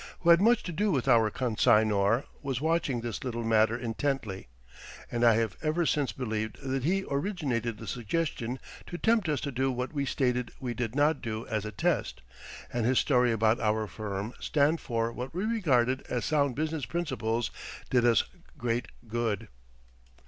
who had much to do with our consignor, was watching this little matter intently, and I have ever since believed that he originated the suggestion to tempt us to do what we stated we did not do as a test, and his story about our firm stand for what we regarded as sound business principles did us great good.